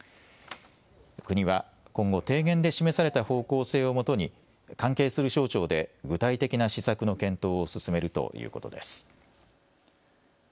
国は今後、提言で示された方向性をもとに関係する省庁で具体的な施策の検討を進めるということです。